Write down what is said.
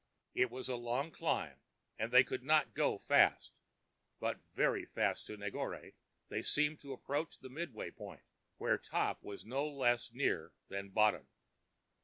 It was a long climb, and they could not go fast; but very fast to Negore they seemed to approach the midway point where top was no less near than bottom.